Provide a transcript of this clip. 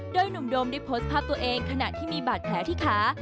โดยหนุ่มโดมได้โพสต์ภาพตัวเองขณะที่มีบาดแผลที่ขา